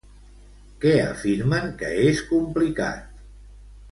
Què afirmen que és complicat?